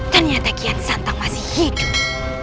ternyata kian santang masih hidup